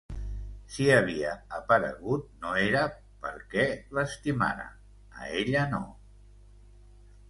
Si havia aparegut, no era perquè l'estimara, a ella, no.